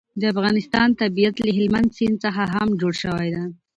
د افغانستان طبیعت له هلمند سیند څخه هم جوړ شوی دی.